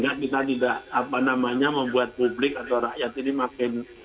jadi kita tidak apa namanya membuat publik atau rakyat ini makin